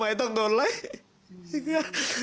อย่างเดียว